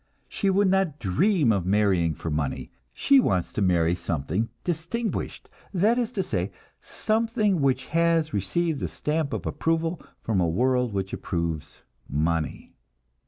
She would not dream of marrying for money; she wants to marry something "distinguished" that is to say, something which has received the stamp of approval from a world which approves money.